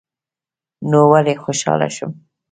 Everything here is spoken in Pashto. نو ولي خوشحاله شم